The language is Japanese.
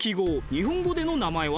日本語での名前は？